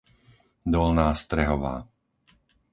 Dolná Strehová